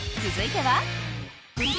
続いては？